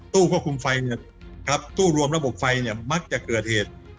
ตู้ควบคุมไฟตู้รวมระบบไฟมักจะเกิดเหตุ